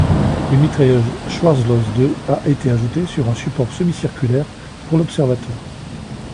Une mitrailleuse Schwarzlose de a été ajoutée sur un support semi-circulaire pour l'observateur.